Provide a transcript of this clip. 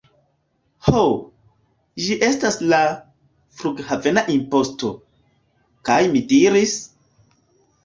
Ho, ĝi estas la... flughavena imposto. kaj mi diris: